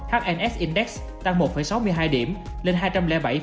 hnx index tăng một sáu mươi hai điểm